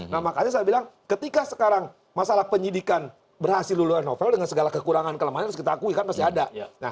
nah makanya saya bilang ketika sekarang masalah penyidikan berhasil dulu oleh novel dengan segala kekurangan kelemahan harus kita akui kan masih ada